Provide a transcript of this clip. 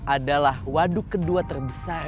adalah waduk kedua terbesar